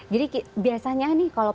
jadi biasanya nih kalau